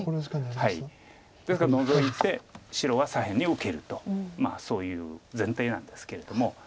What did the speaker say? ですからノゾいて白は左辺に受けるとまあそういう前提なんですけれども。